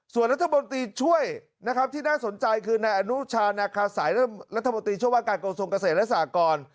ส่วนรัฐมนตรีช่วยนะครับที่น่าสนใจคือนายอนุชานาคาสายรัฐมนตรีช่วยว่าการกระทรงเกษตรและสากร